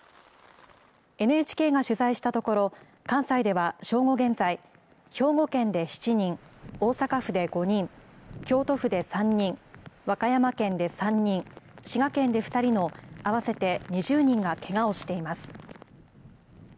ＮＨＫが取材したところ、関西では正午現在、兵庫県で７人、大阪府で５人、京都府で３人、和歌山県で３人、滋賀県で２人の合わせて２０人がけがをしています。